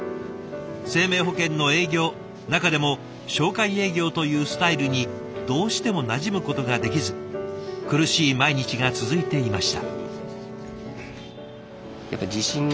生命保険の営業中でも紹介営業というスタイルにどうしてもなじむことができず苦しい毎日が続いていました。